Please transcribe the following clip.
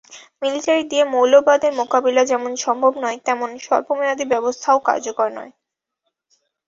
Military দিয়ে মৌলবাদের মোকাবিলা যেমন সম্ভব নয়, তেমনই স্বল্পমেয়াদি ব্যবস্থাও কার্যকর নয়।